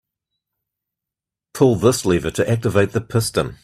Pull this lever to activate the piston.